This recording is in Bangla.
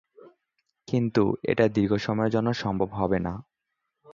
কিন্তু, এটা দীর্ঘসময়ের জন্য সম্ভব হবে না।